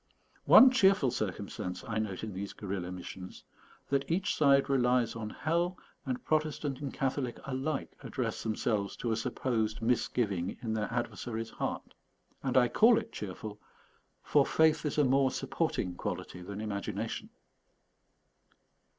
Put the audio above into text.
One cheerful circumstance I note in these guerrilla missions, that each side relies on hell, and Protestant and Catholic alike address themselves to a supposed misgiving in their adversary's heart. And I call it cheerful, for faith is a more supporting quality than imagination.